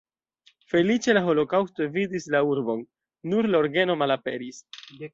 Feliĉe la holokaŭsto evitis la urbon, nur la orgeno malaperis.